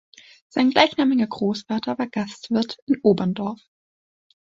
Sein gleichnamiger Großvater war Gastwirt in Oberndorf.